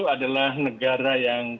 adalah negara yang